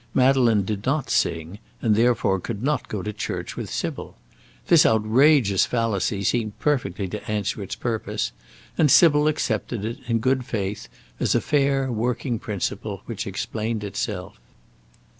Madeleine did not sing, and therefore could not go to church with Sybil. This outrageous fallacy seemed perfectly to answer its purpose, and Sybil accepted it, in good faith, as a fair working principle which explained itself.